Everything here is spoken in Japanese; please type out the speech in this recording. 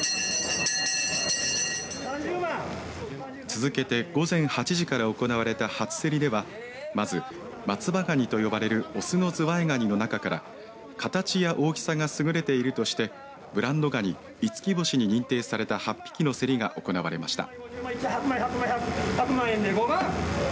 続けて午前８時から行われた初競りではまず、松葉がにと呼ばれる雄のズワイガニの中から形や大きさが優れているとしてブランドがに五輝星に認定された８匹の競りが行われました。